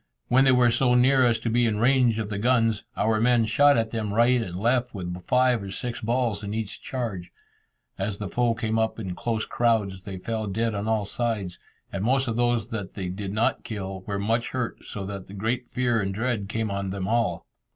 When they were so near as to be in range of the guns, our men shot at them right and left with five or six balls in each charge. As the foe came up in close crowds, they fell dead on all sides, and most of those that they did not kill were much hurt, so that great fear and dread came on them all.